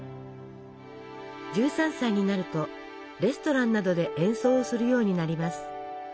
１３歳になるとレストランなどで演奏をするようになります。